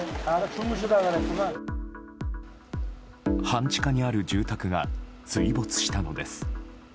半地下にある住宅が水没したのです。